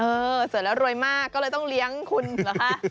สวยแล้วรวยมากก็เลยต้องเลี้ยงคุณเหรอคะ